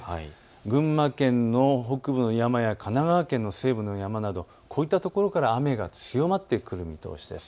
群馬県の北部の山や神奈川県の西部の山など、こういったところから雨が強まってくる見通しです。